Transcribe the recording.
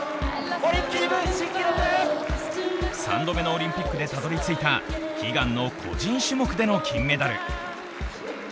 ３度目のオリンピックでたどりついた悲願の個人種目での金メダル。